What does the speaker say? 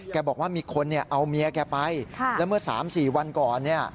บอกว่ามีคนเอาเมียแกไปแล้วเมื่อ๓๔วันก่อนเนี่ย